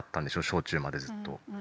小中までずっと。